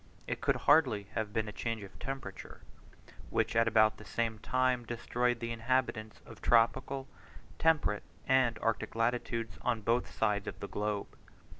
It could hardly have been a change of temperature, which at about the same time destroyed the inhabitants of tropical, temperate, and arctic latitudes on both sides of the globe.